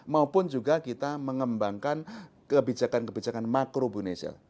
maupun juga kita mengembangkan kebijakan kebijakan makrobunesel